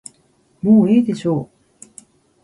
もうええでしょう。